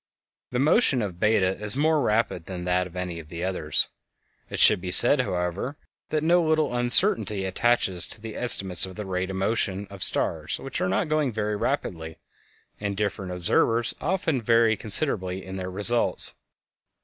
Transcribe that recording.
The motion of Beta is more rapid than that of any of the others. It should be said, however, that no little uncertainty attaches to the estimates of the rate of motion of stars which are not going very rapidly, and different observers often vary considerably in their results.